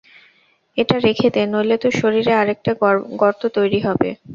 এটা রেখে দে, নইলে তোর শরীরে আরেকটা গর্ত তৈরি হবে।